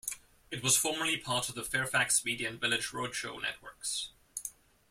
It was formerly part of the Fairfax Media and Village Roadshow networks.